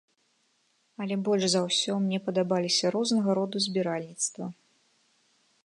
Але больш за ўсё мне падабаліся рознага роду збіральніцтва.